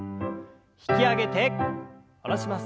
引き上げて下ろします。